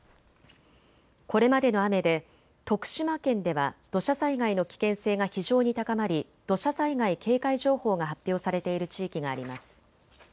これまでの雨で徳島県では土砂災害の危険性が非常に高まり土砂災害警戒情報が発表されている地域があります。